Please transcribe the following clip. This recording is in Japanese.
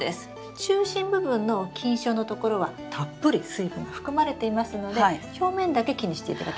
中心部分の菌床のところはたっぷり水分が含まれていますので表面だけ気にしていただければいいです。